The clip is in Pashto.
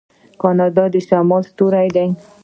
کاناډا د شمال ستوری دی.